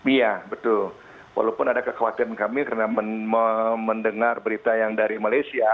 iya betul walaupun ada kekhawatiran kami karena mendengar berita yang dari malaysia